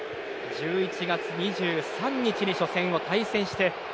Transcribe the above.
１１月２３日に初戦、対戦して。